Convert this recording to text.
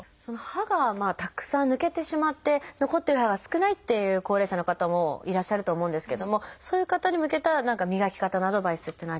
歯がたくさん抜けてしまって残ってる歯が少ないっていう高齢者の方もいらっしゃると思うんですけどもそういう方に向けた何か磨き方のアドバイスっていうのはありますか？